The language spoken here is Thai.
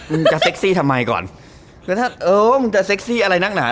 มึงจะเซ็กซี่ทำไมก่อนแล้วถ้าเออมึงจะเซ็กซี่อะไรนักหนา